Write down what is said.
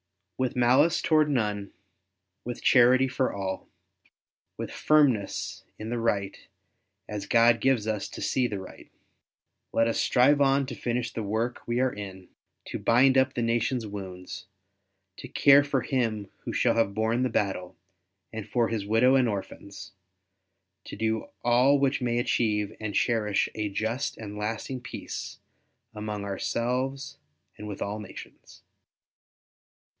With malice toward none, with charity for all, with firmness in the right as God gives us to see the right, let us strive on to finish the work we are in, to bind up the nation's wounds, to care for him who shall have borne the battle and for his widow and orphans, to do all which may achieve and cherish a just and a lasting peace among ourselves and with all nations.